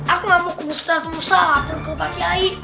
aku gak mau ke ustad usah akan ke pak yaik